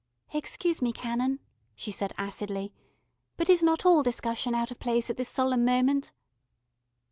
"Excuse me, Canon," she said acidly, "but is not all discussion out of place at this solemn moment?"